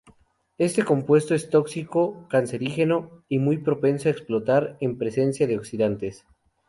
Este compuesto es tóxico, carcinógeno, y muy propenso a explotar en presencia de oxidantes.